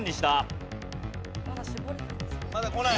まだこない？